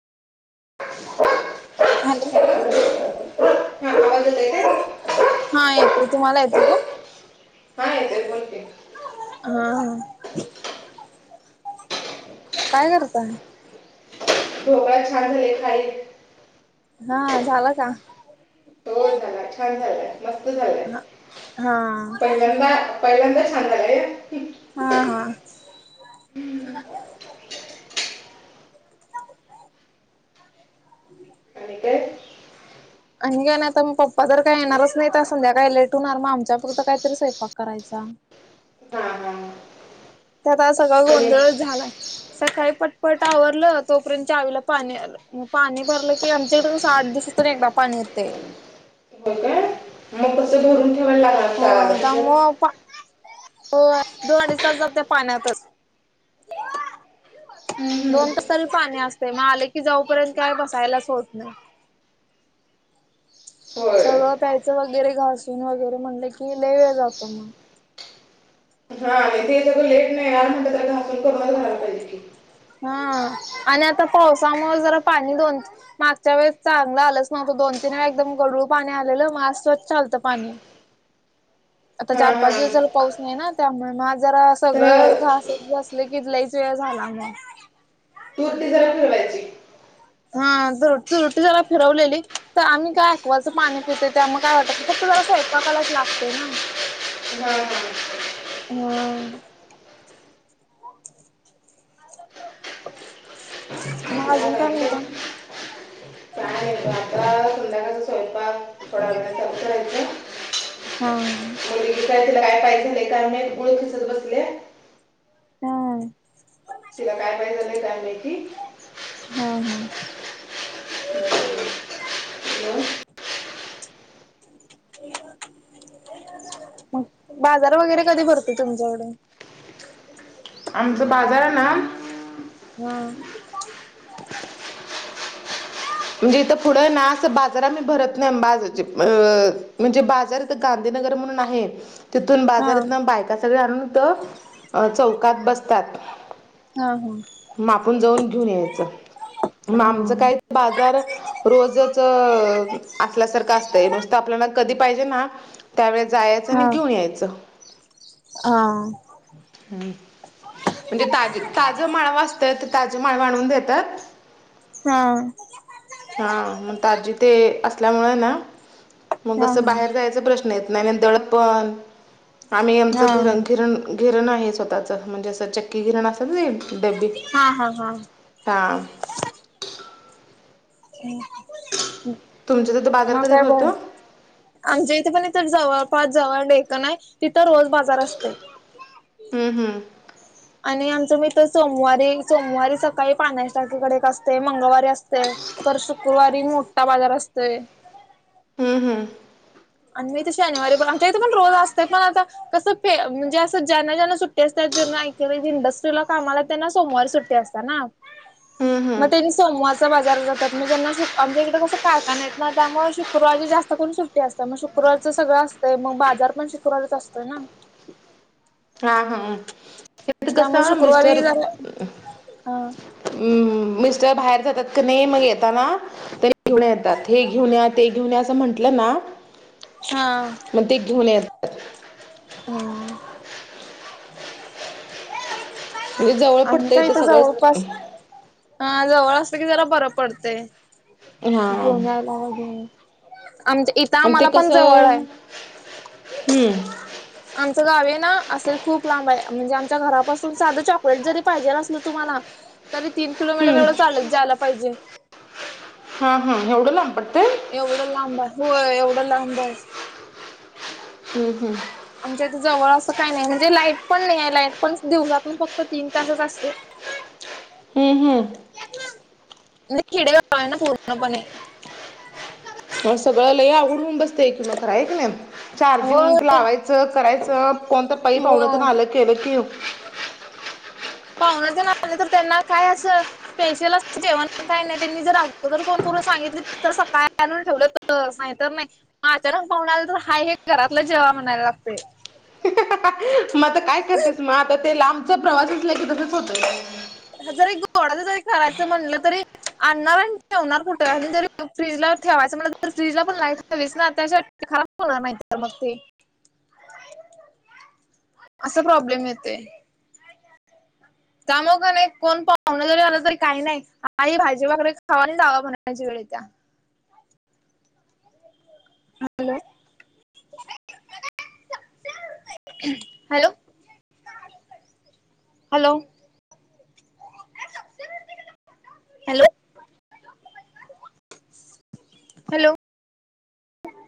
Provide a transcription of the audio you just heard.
Hello! हा आवाज येतोय का हा येते, तुम्हाला येते का? हा येतंय, बोलते मी. अं! काय झालं पण. ढोकळा छान झाले खाईल. हा, झाला का? हो छान झालंय, मस्त झालंय, हा हा पहिल्यांदा पहिल्यांदा छान झालंय. हा हा आणि ते - आई नाही आता तर मग पप्पा तर काय येणारच नाही तर संध्याकाळी लेट होणार, मग आमच्या पुुरतं काहीतरी स्वयपाक करायचा. हा हा. त्यात आज सगळा पनीर गोंधळच झालाय. सकाळी पटपट आवरलं, तोपर्यंत चावीला पाणी आलं. मग पाणी भरलं. की आमच्याकडं कसं आठ दिवसातून एकदा पाणी येतंय. हो का मग कसं भरून ठेवायला लाग हो त्यामुळं पा हो, दोन अडीच तास जाते पाण्यातच. हम्म, हम्म. दोन तासाला पाणी असतंय. मग आले की जाऊपर्यंत काय बसायलाच होत नाय. होय सगळं प्यायचं वगैरे घासून वगैरे म्हणलं की, लय वेळ जातो मग. हा [unintelligible] घासून करूनच भरायला पाहिजे की. हा आणि आता पावसामुळं जरा पाणी दो मागच्या वेळेस चांगला आलंच नव्हतं. दोन तीन वेळा एकदम गढूळ पाणी आलेलं मग आज स्वच्छ आलतं पाणी. आता हा चार हा पाच दिवस झालं, पाऊस नाही ना. त्यामुळे मग आज जरा त्याला सगळंच घासत बसले की लईच वेळ झाला मग. तुरटी घरात ठेवायची. हा, तुरटी बगा फिरवलेली, तर आम्ही काय याक्वा चं पाणी पितोय त्यामुळं काय वाटत नाय फ तुला स्वयंपाकालाच लागतंय ना. हं.. हं.. मग अजून हा, का आणि म्हणताय? काय? काय, आता संध्याकाळीच स्वयंपाक. पडतयच. [unintelligible] हा. यातला काय पाहिजे, झाय मुळं खीसत बसले. हा. तिला काय पाहिजे झाले काय माहिती हा हा. मग बाजार वगैरे कधी भरतो तुमच्याकडे? [inaudible] आमचा बाजार ना. हा. म्हणजे इथं पुढं ना, असं बाजार आम्ही भरत नाही. बाजारचे, अं, म्हणजे बाजार. गांधीनगर म्हणून आहे, तिथून हा बाजारातून बायका सगळं आणून तर. चौकात बसतात. हा हा हा मापून जाऊन घेऊन यायचं. मग आमचं काय, बाज रोजच असल्यासारखं असतं नुसतं, आपल्याला कधी पाहिजे ना. त्यावेळेला जायचं आणि हा. हा. घेऊन यायचं. हा. हं, म्हणजे ताजं-ताजं माळ असतंय ते, ताजं माळव आणून देतात. हा. हा, मग ताजी ते असल्यामुळे ना, मग हा असं बाहेर जायचं प्रश्न दडपण आम्ही आमचं घर घिरण घिरण आहे स्वतःच, म्हणजे असं चक्की घिरण असतं, डब्बी. हा हा हा. हा. तुमच्या तिथं बाजार मग कधी काय बरं, भरतो आमच्या इथे पण इथं जवळ, पाच जवळ डेक्कन आहे, तिथं रोज बाजार असतो. हम्म, हम्म. आणि आमचं मित्र सोमवारी, सोमवारी सकाळी पानास टेकडे असते. मंगळवारी असते. तर शुक्रवारी मोठा बाजार असतोय. हम्, हम्. आणि मी तर शनिवारी पाचच्या इथे पण रोज असते, पण आता. कसं म्हणजे, असं ज्यांना-ज्यांना सुट्टी असते, ज्यांना इंडस्ट्रीला काम आलं, त्यांना सोमवार सुट्टी. ते असतं ना. हम्, हम. मग ते सोमवारचा बाजार जातात. मग ज्यांना श, आमच्या इकडे कस कारखाने आहेत ना, त्यामुळे शुक्रवारी जास्त करून सुट्टी असते. तर मग शुक्रवारचं सगळं असतंय, मग बाजार पण शुक्रवारच असतोय ना? हा, हा. इथं त्यामुळे कसं शुक्रवारी मिस्टर जरा हा हं, मिस्टर बाहेर जातात का नाही मग येताना ते घेऊन येतात. हे घेऊन या, ते घेऊन, असं म्हटलं ना हा मग ते घेऊन हम. म्हणजे जवळ आणिम पडतं का इथं इथ सगळंच जवळपास हा, जवळ असतं की जरा बरं पडतं, हा गोणला वगैरे. आमच्या इथं आणि ते आम्हाला पण जवळ आहे. कसं हम्म. आमचं गाव आहे ना असे खूप लांब आहे. म्हणजे आमच्या घरापासून साधं चॉकलेट जरी पाहिजे असलं तुम्हांला तरी तीन किलोमीटर हम्म एवढं चालत जायला पाहिजे. हां, हां एवढं लांब पडतंय. एवढं लांब आहे. व्हय एवढं लांब आहे. हम, हम. आमच्याथ इथ जवळ असं काही नाही म्हणजे लाईट पण नाही आहे लाईट पण दिवसांतन फक्त तीन तासच असते. [unintelligible] हम्म, हम्म. [unintelligible] म्हजे खेडेगाव हायना पूर्णपणे. मग सगळं लय अवघड होऊन बसतेय, कि मग खरं हे की नाही, हो चार्जिंग लावायचं करायचं. कोणतं पै पावणे आलं केलं की येऊ.. पाव्हणं जर आलं तर त्यांना काय असं. स्पेशल असं जेवण काही नाही, त्यांनी जर अगोदर फोन करून सांगितली तर सकाळी आणून ठेवलं तर तर, नाही तर नाही मग अचानक पाहुणे आले तर, हाय हे घरातलं जेवा म्हणायला लागतंय. [unintelligible] मग आता काय करतेस मग आता ते लांबचा प्रवास असला की तसच होतये. जरी गोडाचं जरी करायचं म्हणलं तरी आणणार आणि ठेवणार कुठं? जरी फ्रीजला ठेवायचं म्हटलं तर फ्रीजला पण लाई दिसणार तसंच खराब होणार नाहीतर मग ते. असा प्रॉब्लेम येतोय. कामाव की नाही कोण पाहूणं जरी आलं तरी काय नाय. आहे ही भाजी भाकरी खावा आणि जावा म्हणायची वेळ येतीया. Hello, [unintelligible] hello. Hello, hello, hello